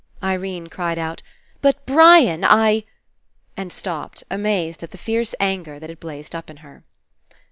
Irene cried out: "But, Brian, I —" and stopped, amazed at the fierce anger that had blazed up In her.